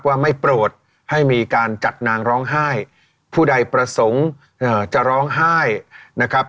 ว่าไม่โปรดให้มีการจัดนางร้องไห้ผู้ใดประสงค์จะร้องไห้นะครับ